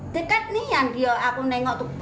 dekat nih yang aku nengok tuh